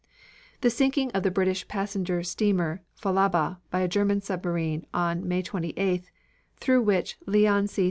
The sinking of the British passenger steamer Falaba by a German submarine on March 28th, through which Leon C.